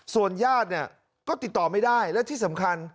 ส่วนญาติเนี่ยก็ติดต่อไม่ได้และที่สำคัญ